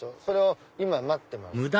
それを今待ってます。